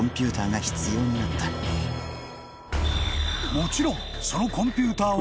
［もちろんその］